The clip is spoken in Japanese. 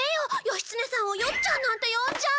義経さんをよっちゃんなんて呼んじゃ。